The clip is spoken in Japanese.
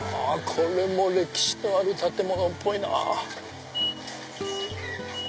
これも歴史のある建物っぽいなぁ。